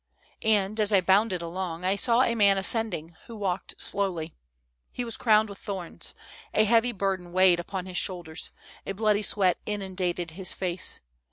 "And, as I bounded along, I saw a man ascending, who walked slowly. He was crowned with thorns ; a heavy burden weighed upon his shoulders; a bloody sweat inundated his face.